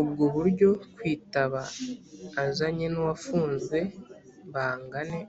ubwo buryo kwitaba azanye n uwafunzwe bangane